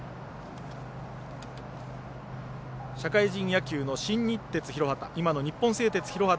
社会人野球の新日鉄広畑